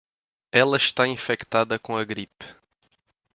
Ela está infectada com a gripe.